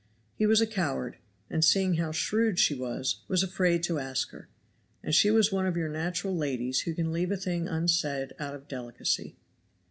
He was a coward, and seeing how shrewd she was, was afraid to ask her; and she was one of your natural ladies who can leave a thing unsaid out of delicacy.